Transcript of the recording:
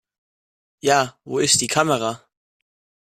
Ja, wo ist die Kamera?